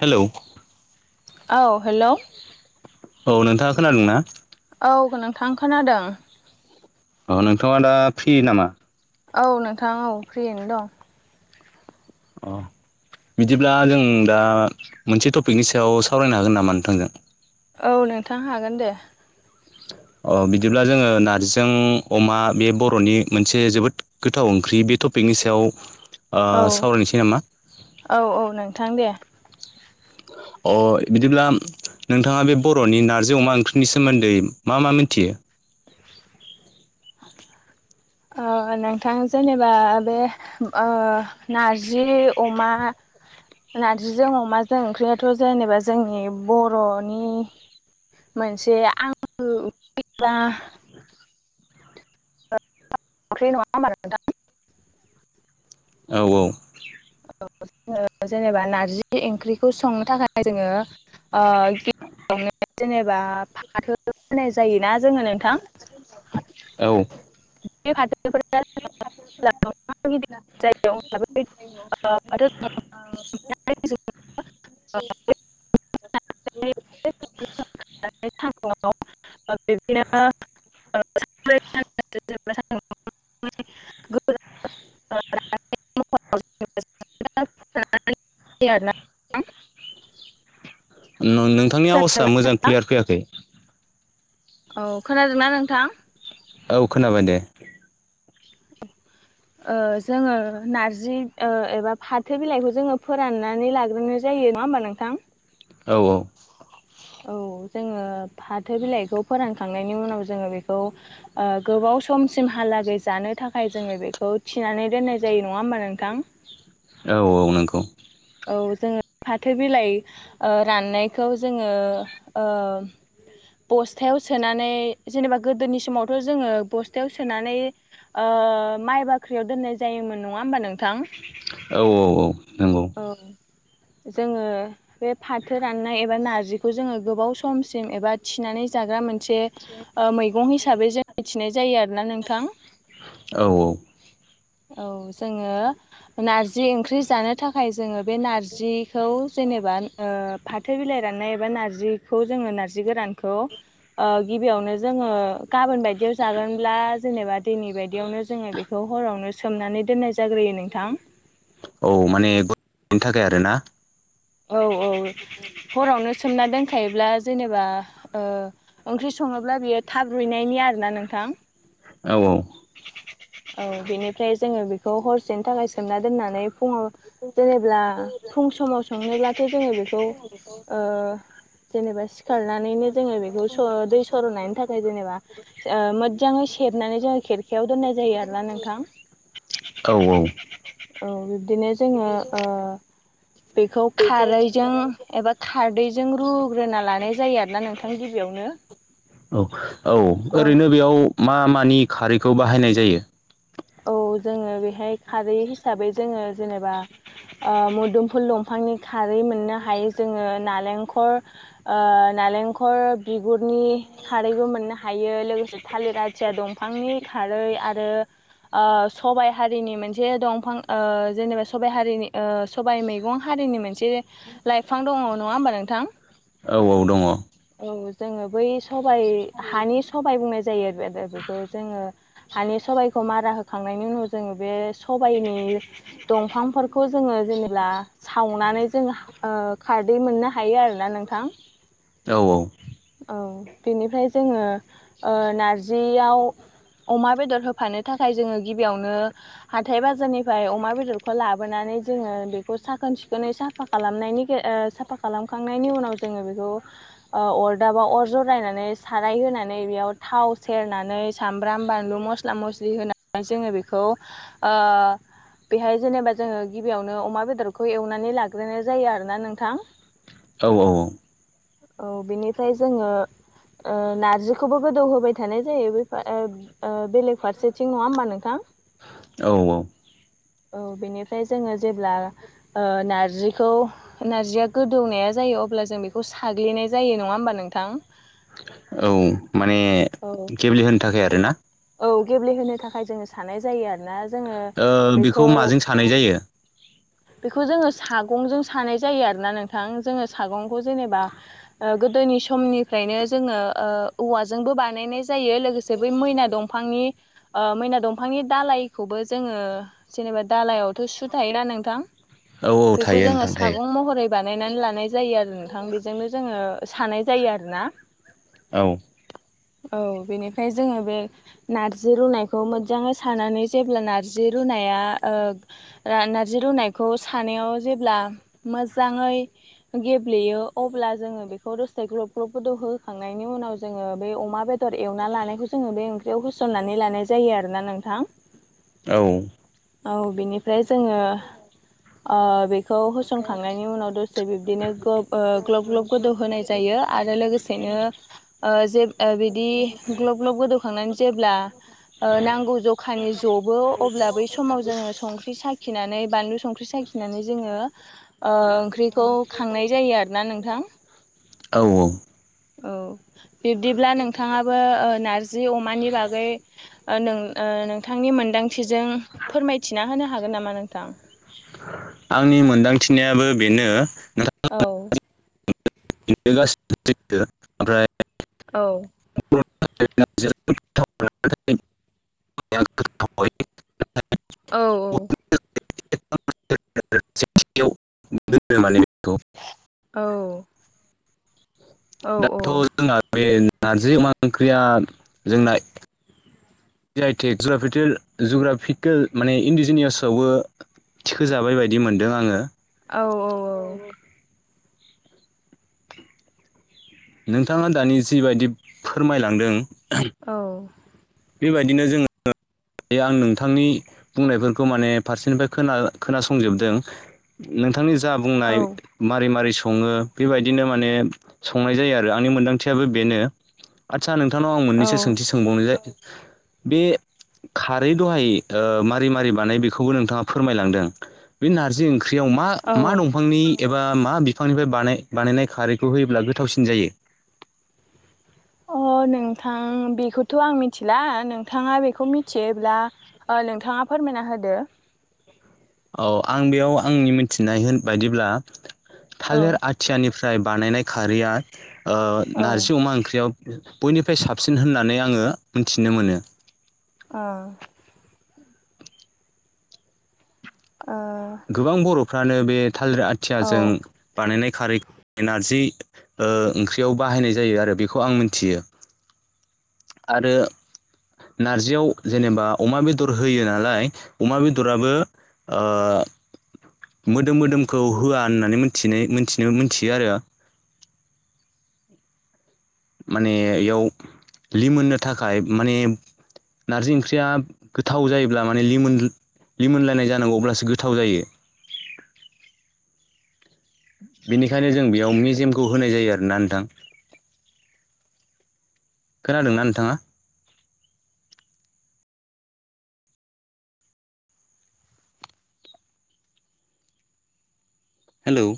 Hello औ hello औ नोंथाङा खोनादों ना? औ नोंथां खोनादों अ नोंथाङा दा फ्रि नामा? औ नोंथां औ फ्रियैनो दं। अ बिदिब्ला जों दा मोनसे टपिकनि सायाव सावरायनो हागोन नामा नोंथांजों? औ नोंथां हागोन दे [inaudible] अ बिदिब्ला जोङो नारजिजों अमा बे बर'नि मोनसे जोबोद गोथाव ओंख्रि बे टपिक बेनि सायाव ओ औ सावरायनोसै नामा? थां दे। द अ बिदिब्ला नोंथाङा बे बर'नि नार्जि अमा ओंख्रिनि सोमोन्दै मा मा मिथियो? नोंथां जेनेबा बे नारजि अमा नारजिजों अमाजों ओंख्रियाथ' जेनेबा जोंनि बर'नि मोनसे आं [unintelligible] [unintelligible] औ औ। औ ज जेनेबा नारजि ओंख्रिखौ संनो थाखाय जोङो गिनो जेनेबा फाथो होनाय जायोना जोङो नोंथां। औ। [unintelligible] जायो अब्ला बै आरो [unintelligible] [unintelligible] [unintelligible] बिदिनो [unintelligible] [unintelligible] [inaudible] [unintelligible] नोंथांनि आव'सआ मोजां क्लियार फैयाखै। औ खोनादोंना नोंथां? औ खोनाबाय दे। [inaudible] जोङो नारजि एबा फाथो बिलाइखौ जोङो फोराननानै लाग्रोनो जायो। नङा होनबा नोथां औ औ औ जोङो फाथो बिलाइखौ फोरानखांनायनि उनाव जोङो बेखौ गोबाव समसिमहालागै जानो थाखाय जोङो बेखौ थिनानै दोननाय जायो नङा होमबा नोंथां औ औ नोंगौ औ जोङो फाथो बिलाइ राननायखौ जोङो बस्थायाव सोनानै जेनेबा गोदोनि समावथ' जोङो बस्थायाव सोनानै ओ माइ बाख्रियाव दोननाय जायोमोन नङा होमबा नोंथां औ औ औ। नंगौ औ। जोङो बे फाथो राननाय एबा नारजिखौ जोङो गोबाव समसिम एबा थिनानै जाग्रा मोनसे मैगं हिसाबै जों मिथिनाय जायो आरोना नोंथां। औ औ। औ जोङो नारजि ओंख्रि जानो थाखाय जोङो। बे नारजिखौ जेनेबा फाथो बिलाइ राननाय बा नारजिखौ जोङो नारजि गोरानखौ गिबियावनो जोङो गाबोन बायदियाव जागोनब्ला जेनेबा दैनि बायदियावनो जोङो बेखौ हरावनो सोमनानै दोननाय जाग्रोयो नोंथां औ माने गनि थाखाय आरोना औ औ हरावनो सोमना दोनखायोब्ला जेनेबा ओंख्रि सङोब्ला बियो थाब रुइनायनि आरोना नों औ औ। औ बेनिफ्राय जोङो बेखौ हरसेनि थाखाय सोमना दोननानै फुङाव जेनेब्ला फुं समाव थाङोब्लाथ' जोङो बेखौ ओ जेनेबा सि सिखारनानैनो जोङो बेखौ दै सर'नायनि थाखाय जेनेबा मोजाङै सेरनानै जोङो खेरखायाव दोननाय जायो आरोना नोंथां औ औ औ बिब्दिनो जोङो बेखौ खारैजों एबा खारदैजों रुग्रोना लानाय जायो आरोना नोंथां गिबियावनो [inaudible] औ औ औ ओरैनो बेयाव मा मानि खारैखौ बाहायनाय जायो औ जोङो बेहाय खारै हिसाबै जोङो जेनेबा मोदोमफुल दंफांनि खारै मोननो हायो जोङो नारेंखल बिगुरनि खारैबो मोननो हायो लोगोसे थालिर आथिया दंफांनि खारै आरो सबाइ हारिनि मोनसे दंफां जेनेबा सबायाइ हारिनि सबायाइ मैगं हारिनि मोनसे एसे लाइफां दङ नङा होमबा नोंथां औ औ दङ औ जोङो बै सबाइ हानि सबाय बुंनाय जायो आरो बेखौ जोङो हानि सबाइखौ मारा होखांनायनि उनाव जोङो बे सबायनि दंफांफोरखौ जों जेब्ला सावनानै जों औ दै मोननो हायो आरोना नोंथां औ औ बेनिफ्राय जोङो नारजियाव अमा बेदर होफानो थाखाय जोङो गिबियावनो हाथाय बाजारनिफ्राय अमा बेदरखौ लाबोनानै जोङो बेखौ साखोन सिखोनै सोनानै खालामनानै साफा खालामखांनायनि उनाव जों बेखौ अरदाबाव अर जरायनानै साराय होनानै बेयाव थाव सेरनानै सामब्राम बानलु मस्ला मस्लि होनानै जोङो बेखौ बेहाय जेनेबा जोङो गिबियावनो अमा बेदरखौ एवनानै लाग्रोनाय जायो आरोना नोंथां औ औ औ बेनिफ्राय जोङो नारजिखौबो गोदौ होबाय थानाय जायो बेलेग फारसेथिं नङा होमबा नोंथां औ औ औ बेनिफ्राय जोङो जेब्ला नारजिखौ नारजिया गोदौनाया जायो जायो अब्ला जों बेखौ साग्लिनाय जायो नङा होमबा नोंथां औ माने औ गेबलि होनो थाखाय आरोना औ गेब्लेहोनो थाखाय जोङो साननाय जायो आरो ना जोङो ओ बेखौ माजों सानाय जायो बेखौ जोङो सागंजों सानाय जायो आरोना नोंथां जोङो सागंखौ जेनेबा गोदोनि समनिफ्रायनो जोङो औवाजोंबो बानायनाय जायो लोगोसे बै मैना दंफां मैना दंफांनि दालाइखौबो जोङो जेनेबा दालइायावथ' सु थायोना नोंथां औ बेखौ थायो जोङो नोंथां थायो सागं महरै बानायनानै लानाय जायो आरो नोंथां बेजोंनो जोङो सानाय जायो आरोना औ औ बेनिफ्राय जोङो बे नारजि रुनायखौ मोजाङै सारनानै जेब्ला नारजि रुनाया नारजि रुनायखौ सानायाव जेब्ला मोजाङै गेब्लेयो अब्ला जोङो बेखौ रुसेबो गोदौ होखांनायनि उनाव जोङो बे अमा बेदर एवना लानायखौ जोङो बे ओं खौ होसननानै लानाय जायो आरोना नोंथां औ औ बेनिफ्राय जोङो खौ होसनखांनायनि उनाव दसे बिब्दिनो ग्लब ग्लब गोदौ होनाय जायो आरो लोगोसेनो बिदि ग्लब ग्लब गोदौखां जेब्ला नांगौ जखानि जबो अब्ला बै समाव जोङो संख्रि साखिनानै बानलु संख्रि साखिनानै जोङो ओंख्रिखौ खांनाय जायो आरोना नोंथां औ औ बिब्दिब्ला नोंथाङाबो नार्जि जि अमानि बागै नोंथांनि मोनदांथिजों फोरमायथिना होनो हागोन नामा नोंथां? आंनि मोनदांथिनायाबो बेनो औ [unintelligible] औ [unintelligible] औ गोथाव औ [unintelligible] औ औ दाथ' औ जोंना बे नारजि अमा ओंख्रिया जोंना जि आइ टेक जुग्राफिकेल माने इन्डिजिनियासआवबो थिखो जाबाय बायदि मोनदों आङो। औ औ औ नोंथाङा दानि जिबायदि फोरमायलांदों औ बेबायदिनो जोङो बे आं नोंथांनि बुंनायफोरखौ माने फारसेनिफ्राय खोनासंजोबदों नों नोंथांनि जा बुंनाय औ मारै मारै मारै सम सङो बेबायदिनो माने संनाय जायो आरो आंनि मोन्दांथियाबो बेनो आदसा नोंथांनाव आं मोननैसो औ सोंथि सोंबावनाय जाय बे खारै दहाय मारै मारै बानाय बेखौबो नोंथा फोरमायलांदों बे नारजि ओं ख्रियाव मा मा औ दंफांनि एबा मा बिफांनिफ्राय बानायनाय खारैखौ होयोब्ला गोथावसिन जायो? [inaudible] अ नोंथां बेखौथ' आं मिथिला नोंथाङा बेखौ मिथियोब्ला नोंथाङा फोरमायना होदो औ आं बेयाव आंनि मिथिनाय होन बायदिब्ला औ थालिर आथियानि फ्राय बानायनाय खारैया ओ नारजि अमा ओंख्रियाव बयनिफ्राय साबसिन होननानै आङो मिथिनो मोनो। अ ओ मानो बे थालिर आथियाजों औ बानायनाय खारै नारजि ओंख्रियाव बाहायनाय जायो आरो बेखौ आं मिथियो आरो नारजियाव जेनेबा अमा बेदर होयो नालाय अमा बेदराबो ओ मोदोम मोदोमखौ होआ होननानै मिथिनायथि मोनथियो आरो माने इयाव लिमोननो थाखाय माने नारजि ओंख्रिया गोथाव जायोब्ला माने लिमोन लिमोनलायनाय जानांगौ अब्लासो गोथाव जायो। बेनिखायनो जों बेयाव मेजेमखौ होनाय जायो आरोना नोंथां खोनादोंना नोंथाङा? हेल'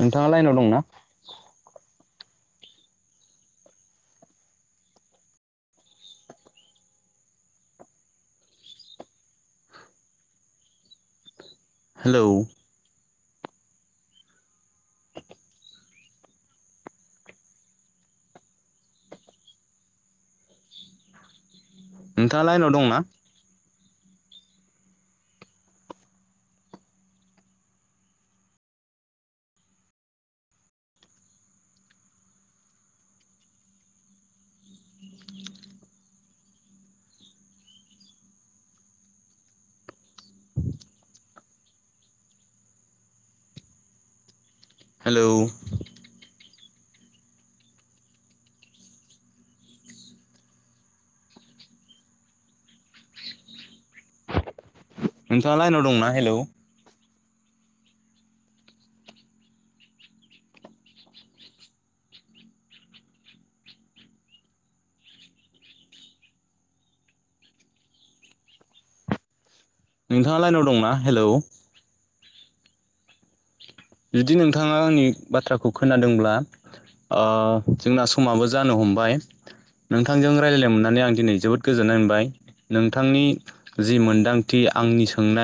नोंथाङा लाइनाव दंना हेलौ। [inaudible] नोंथाङा लाइनाव दंना? [inaudible] हेल' नोंथाङा लाइनाव दंना हेलौ? नोंथाङा लाइनाव दंना हेलौ? जुदि नोंथाङा आंनि बाथ्राखौ खोनादोंब्ला। ओ जोंना समाबो जानो हमबाय। नोंथांजों रायलायनायनो मोननानै आं दिनै जोबोद गोजोननाय मोनबाय। नोंथांनि जि मोनदांथि। आंनि सोंनाय